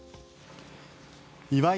岩井